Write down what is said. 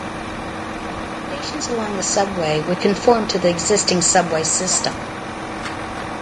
Stations along the subway would conform to the existing subway system.